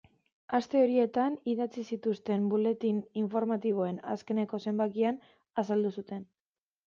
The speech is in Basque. Aste horietan idatzi zituzten buletin informatiboen azkeneko zenbakian azaldu zuten.